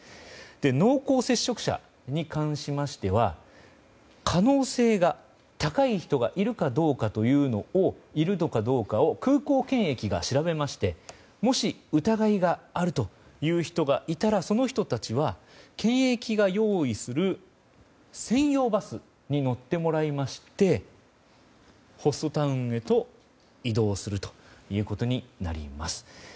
濃厚接触者に関しましては可能性が高い人がいるかどうかを空港検疫が調べましてもし疑いがあるという人がいたらその人たちは、検疫が用意する専用バスに乗ってもらいましてホストタウンへと移動するということになります。